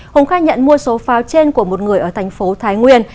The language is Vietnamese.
hùng khai nhận mua số pháo trên của một người ở tp thái nguyên